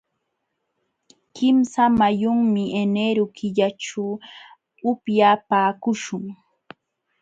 Kimsa muyunmi enero killaćhu upyapaakuśhun.